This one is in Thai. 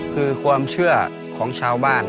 คือความเชื่อของชาวบ้าน